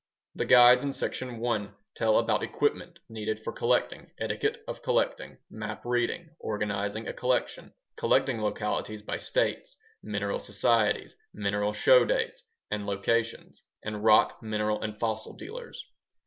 The guides in Section I tell about equipment needed for collecting, etiquette of collecting, map reading, organizing a collection, collecting localities by States, mineral societies, mineral show dates and locations, and rock, mineral, and fossil dealers.